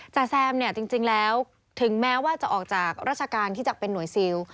แซมเนี่ยจริงแล้วถึงแม้ว่าจะออกจากราชการที่จะเป็นหน่วยซิล